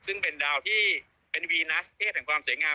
ซึ่งเป็นดาวที่เป็นวีนัสเทศแห่งความสวยงาม